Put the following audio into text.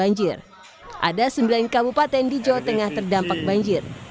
banjir ada sembilan kabupaten di jawa tengah terdampak banjir